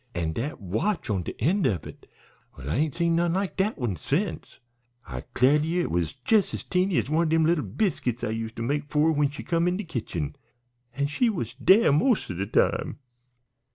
An' dat watch on de end of it! Well, I ain't seen none like dat one sence. I 'clar' to ye it was jes' 's teeny as one o' dem lil biscuits I used to make for 'er when she come in de kitchen an' she was dere most of de time.